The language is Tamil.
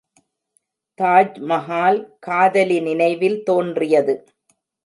தாஜ்மகால், காதலி நினைவில் தோன்றியது.